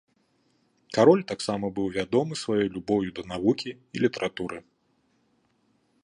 Кароль таксама быў вядомы сваёй любоўю да навукі і літаратуры.